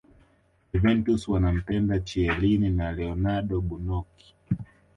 Juventus wanampenda Chielin na Leonardo Bonucci